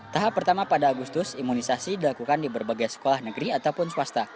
tahap pertama pada agustus imunisasi dilakukan di berbagai sekolah negeri ataupun swasta